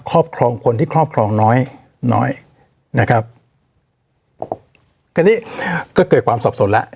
รอบครองคนที่ครอบครองน้อยน้อยนะครับคราวนี้ก็เกิดความสับสนแล้ว